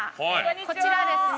こちらはですね